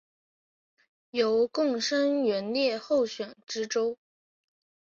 由贡生援例候选知州。